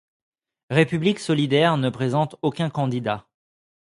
République solidaire ne présente aucun candidat.